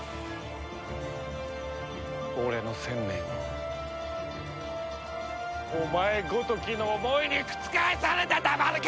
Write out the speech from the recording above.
俺の１０００年をお前ごときの思いに覆されてたまるか！